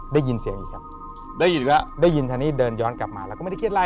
ได้ยินเสียงอีกครับได้ยินทันนี้เดินย้อนกลับมาแล้วก็ไม่ได้คิดอะไร